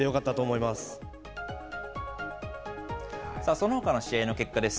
そのほかの試合の結果です。